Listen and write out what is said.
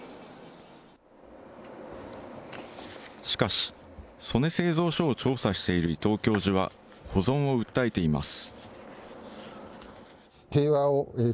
しかし、曽根製造所を調査している伊藤教授は、保存を訴えています。